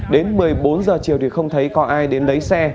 đến một mươi bốn giờ chiều thì không thấy có ai đến lấy xe